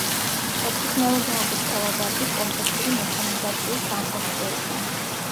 სოფლის მეურნეობის ყველა დარგის კომპლექსური მექანიზაციის განხორციელება.